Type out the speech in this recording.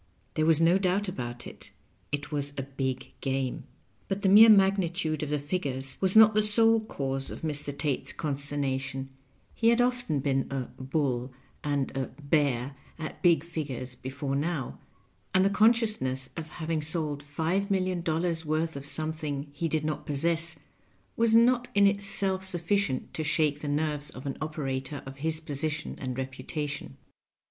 There was no doubt about it — it was a big game. But the mere mag nitude of the figures was not the sole cause of Mr. Tate's Digitized by VjOOQIC LOVE AND LIGHTNING. 187 constemation ; he had often been a " bull " and a " bear " at big figures before now, and the consciousness of hav ing sold five million dollars' worth of something he did not possess was not in itself sufficient to shake the nerves of an operator of his position and reputation.